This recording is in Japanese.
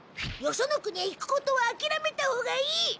よその国へ行くことはあきらめたほうがいい！